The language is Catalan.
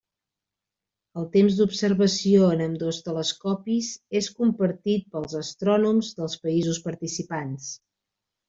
El temps d'observació en ambdós telescopis és compartit pels astrònoms dels països participants.